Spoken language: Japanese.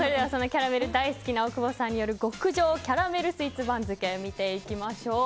キャラメル大好きな大久保さんによる極上キャラメルスイーツ番付見ていきましょう。